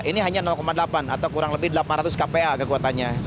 ini hanya delapan atau kurang lebih delapan ratus kpa kekuatannya